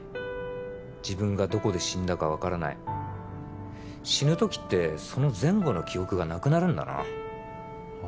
自分がどこで死んだか分からない死ぬ時ってその前後の記憶がなくなるんだなあ